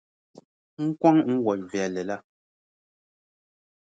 N kɔŋ n wɔʼ viɛlli la.